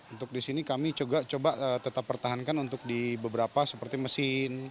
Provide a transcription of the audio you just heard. untuk di sini kami coba tetap pertahankan untuk di beberapa seperti mesin